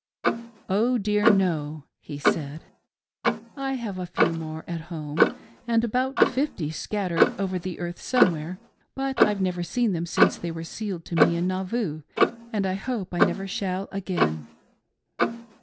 " Oh dear no," he said, " I have a few more at home, and about fifty scattered over the earth somewhere ; but I've never seen them since they were sealed to me in Nauvoo, and I hope I never shall again."